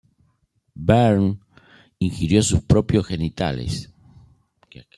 Bernd ingirió sus propios genitales.